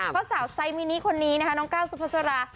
เพราะสาวไซมินิคนนี้นะคะน้องก้าวสุภาษารา